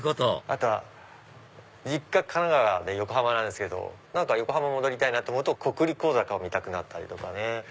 あとは実家神奈川で横浜なんですけど横浜戻りたいなって思うと『コクリコ坂』を見たくなったりね。